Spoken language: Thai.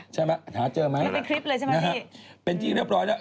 ใช่ไหมหาเจอไหมครับนะฮะเป็นทีเรียบร้อยแล้ว